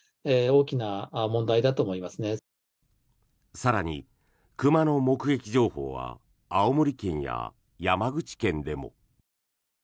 更に、熊の目撃情報は青森県や山口県でも。